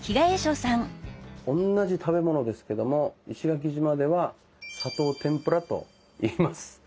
おんなじ食べ物ですけども石垣島では「砂糖てんぷら」といいます。